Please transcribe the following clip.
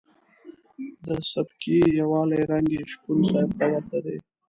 د سبکي یوالي رنګ یې شپون صاحب ته ورته دی.